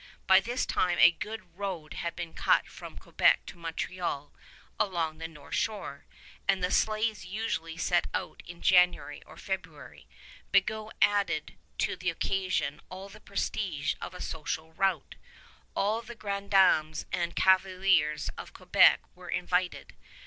By this time a good road had been cut from Quebec to Montreal along the north shore, and the sleighs usually set out in January or February. Bigot added to the occasion all the prestige of a social rout. All the grand dames and cavaliers of Quebec were invited.